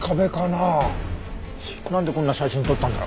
なんでこんな写真撮ったんだろ？